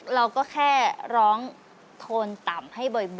เราก็แค่ร้องโทนต่ำให้บ่อย